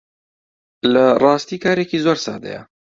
لە ڕاستی کارێکی زۆر سادەیە